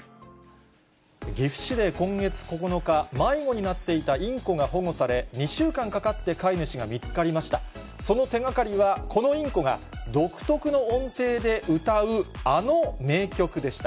岐阜市で今月９日、迷子になっていたインコが保護され、２週間かかって飼い主が見つかりました。